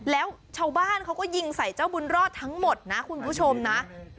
แล้วชาวบ้านเขาก็ยิงใส่เจ้าบุญรอดทั้งหมดนะคุณผู้ชมนะ